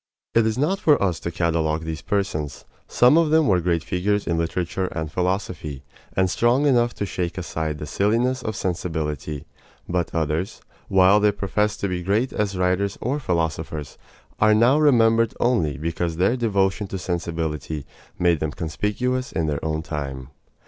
It is not for us to catalogue these persons. Some of them were great figures in literature and philosophy, and strong enough to shake aside the silliness of sensibility; but others, while they professed to be great as writers or philosophers, are now remembered only because their devotion to sensibility made them conspicuous in their own time.